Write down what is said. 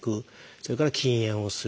それから禁煙をする。